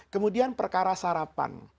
kemudian perkara sarapan